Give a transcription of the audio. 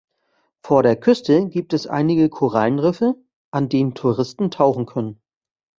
Vor der Küste gibt es einige Korallenriffe, an denen Touristen tauchen können.